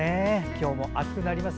今日も暑くなります。